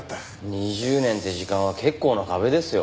２０年って時間は結構な壁ですよ。